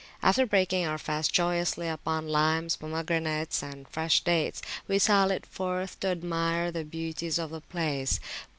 After breaking our fast joyously upon limes, pomegranates, and fresh dates, we sallied forth to admire the beauties of the place.